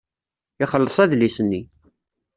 Ixelleṣ adlis-nni.